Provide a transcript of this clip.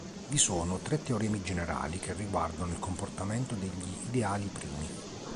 Vi sono tre teoremi generali che riguardano il comportamento degli ideali primi.